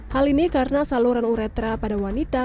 hal ini karena saluran uretra pada wanita